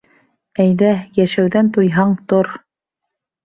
Әйҙә, йәшәүҙән туйһаң, тор!